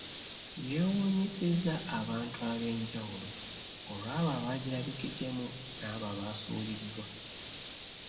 Yeewuunyisizza abantu ab’enjawulo olw’abo abagirabikiddemu n’abo abasuuliddwa.